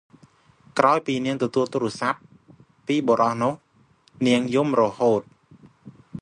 ក្រោយពីនាងទទួលទូរសព្ទ័ ពីបុរសនោះ នាងយំរហូត ។